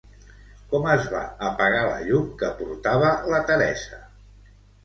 Com es va apagar la llum que portava la Teresa?